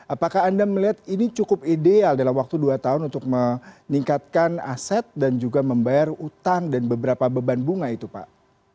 apakah anda melihat ini cukup ideal dalam waktu dua tahun untuk meningkatkan aset dan juga membayar utang dan beberapa beban bunga itu pak